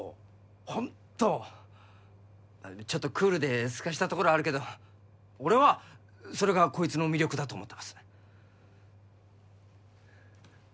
ホントちょっとクールですかしたところあるけど俺はそれがこいつの魅力だと思ってます